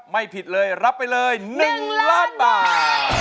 ไม่ผิดเลยรับไปเลย๑ล้านบาท